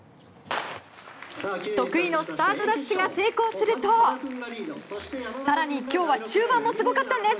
得意のスタートダッシュが成功すると更に今日は中盤もすごかったんです。